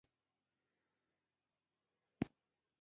تر منګول یې څاڅکی څاڅکی تویېدلې